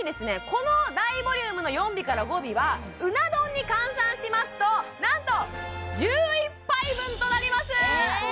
この大ボリュームの４尾から５尾はうな丼に換算しますと何と１１杯分となりますえ